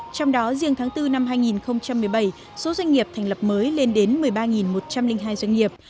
trong đó riêng tháng bốn năm hai nghìn một mươi bảy số doanh nghiệp thành lập mới lên đến một mươi ba một trăm linh hai doanh nghiệp